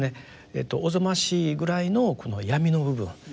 おぞましいぐらいの闇の部分